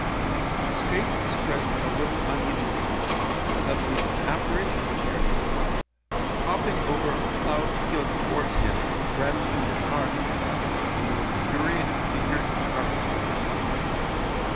His face expressed a little uneasiness, when suddenly an apparition appeared. Hopping over a ploughed field towards him, brandishing his arms, came an infuriated figure in carpet slippers.